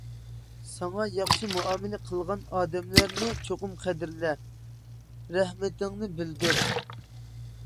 ساڭا ياخشى مۇئامىلە قىلغان ئادەملەرنى چوقۇم قەدىرلە، رەھمىتىڭنى بىلدۈر.